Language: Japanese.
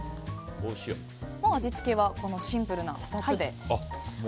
もう味付けはシンプルな２つで。